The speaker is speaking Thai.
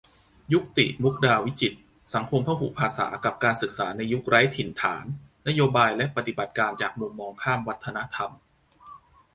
ยุกติ มุกดาวิจิตร สังคมพหุภาษากับการศึกษาในยุคไร้ถิ่นฐาน นโยบายและปฏิบัติการจากมุมมองข้ามวัฒนธรรม